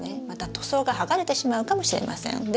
また塗装が剥がれてしまうかもしれません。